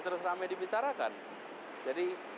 kamu dipicarakan jadi